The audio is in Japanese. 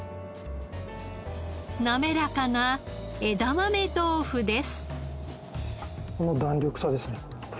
滑らかな枝豆豆腐です。